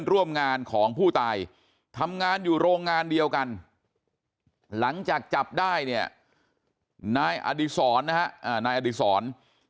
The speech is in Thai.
รองงานเดียวกันหลังจากจับได้น่าอดิษรศ์นะฮะนายอดิษรศ์